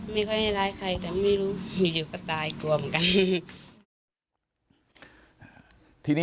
ไม่ได้ให้ร้ายใครแต่ว่าไม่รู้คืออยู่ก็ปล่อยกลัวเหมือนกัน